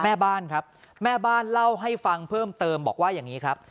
แม่บ้านครับแม่บ้านเล่าให้ฟังเพิ่มเติมบอกว่าอย่างนี้ครับ